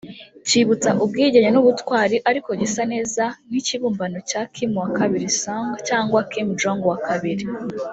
Cyibutsa ubwigenge n’ubutwari ariko gisa neza n’ikibumbano cya Kim Il Sung cyangwa Kim Jong Il